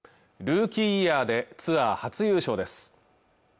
ルーキーイヤーでツアー初優勝です